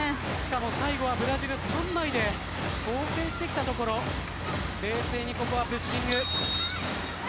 最後はブラジル３枚で応戦してきたところを冷静にプッシング。